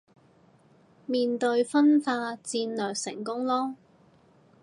對面分化策略成功囉